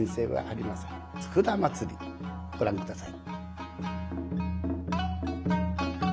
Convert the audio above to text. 「佃祭」ご覧下さい。